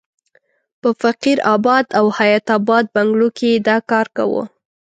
په فقیر اباد او حیات اباد بنګلو کې یې دا کار کاوه.